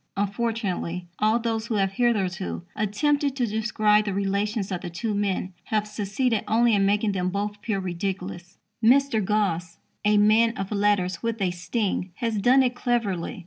Unfortunately, all those who have hitherto attempted to describe the relations of the two men have succeeded only in making them both appear ridiculous. Mr. Gosse, a man of letters with a sting, has done it cleverly.